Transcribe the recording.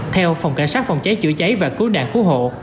theo phòng cảnh sát phòng cháy chữa cháy và cứu nạn cứu hộ